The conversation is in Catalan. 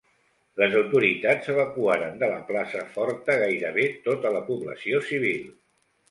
Les autoritats evacuaren de la plaça forta gairebé tota la població civil.